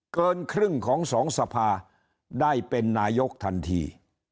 เกินครึ่งของสองสภาได้เป็นนายกทันที